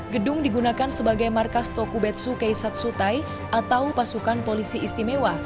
gedung digunakan sebagai markas tokubetsu keisatsu tai atau pasukan polisi istimewa